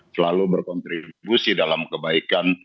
selalu berkontribusi dalam kebaikan